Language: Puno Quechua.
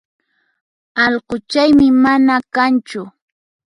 Allquchaymi mana kanchu